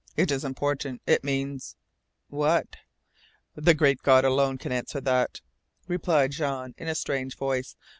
It is important. It means " "What?" "The great God alone can answer that," replied Jean in a strange voice.